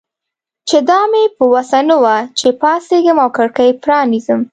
چې دا مې په وسه نه وه چې پاڅېږم او کړکۍ پرانیزم.